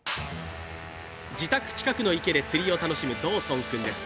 自宅近くの池で釣を楽しむドーソン君です。